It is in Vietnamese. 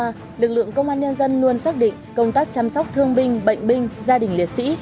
bảy mươi hai năm qua lực lượng công an nhân dân luôn xác định công tác chăm sóc thương binh bệnh binh gia đình liệt sĩ